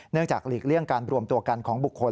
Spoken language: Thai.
จากหลีกเลี่ยงการรวมตัวกันของบุคคล